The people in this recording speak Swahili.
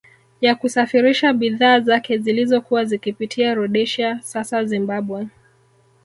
Ya kusafirisha bidhaa zake zilizokuwa zikipitia Rhodesia sasa Zimbabwe